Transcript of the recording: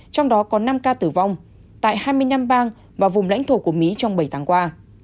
trong đó có năm ca tử vong tại hai mươi năm bang và vùng lãnh thổ của mỹ trong bảy tháng qua